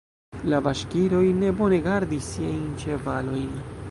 La baŝkiroj ne bone gardis siajn ĉevalojn.